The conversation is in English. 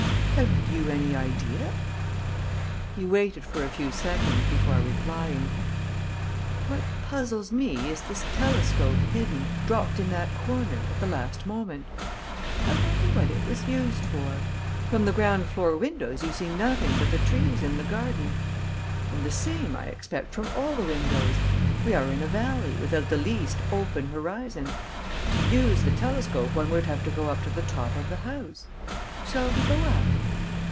"Have you any idea?" He waited a few seconds before replying: "What puzzles me is this telescope hidden, dropped in that corner, at the last moment. I wonder what it was used for.... From the ground floor windows you see nothing but the trees in the garden ... and the same, I expect, from all the windows.... We are in a valley, without the least open horizon.... To use the telescope, one would have to go up to the top of the house.... Shall we go up?"